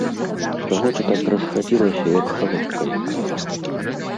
Чаго ты так расхадзілася, як халопка якая?